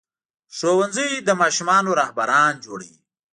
ښوونځی له ماشومانو رهبران جوړوي.